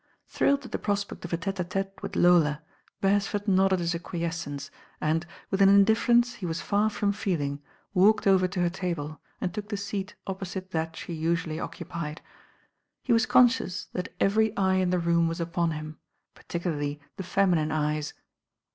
Ihrilled at the prospect of a tete a tete with Lola Beresford nodded his acquiescence and, with an indifference he was far from feeling, walked over to her table and took the seat opposite that she usually occupied. He was conscious that every eye in the room was upon him, particularly the femi nine eyes.